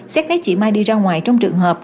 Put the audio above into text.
xét thấy chị mai đi ra ngoài trong trường hợp